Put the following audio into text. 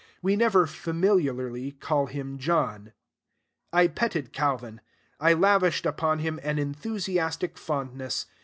We never familiarly call him John). I petted Calvin. I lavished upon him an enthusiastic fondness.